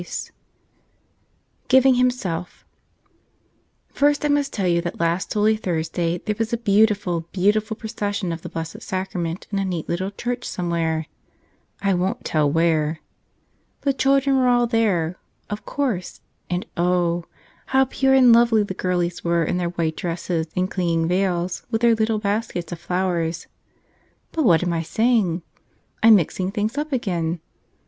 128 (Sitting himself fIRST I must tell you that last Holy Thursday there was a beautiful, beautiful procession of the Blessed Sacrament in a neat little church somewhere — I won't tell where ! The chil¬ dren were all there, of course, and oh! how pure and lovely the girlies were in their white dresses and clinging veils, with their little baskets of flowers. But what am I saying ! I'm mixing things up again